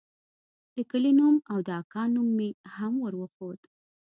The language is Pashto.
د کلي نوم او د اکا نوم مې هم وروښود.